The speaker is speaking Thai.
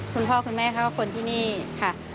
คุณพ่อคุณแม่เขาก็คนที่นี่ค่ะ